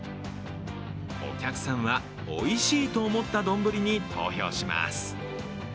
お客さんは、おいしいと思ったどんぶりに投票します。